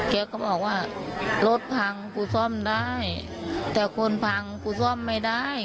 แกก็บอกว่ารถพังกูซ่อมได้แต่คนพังกูซ่อมไม่ได้